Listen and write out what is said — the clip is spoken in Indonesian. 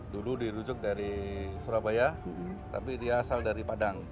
dulu dirujuk dari surabaya tapi dia asal dari padang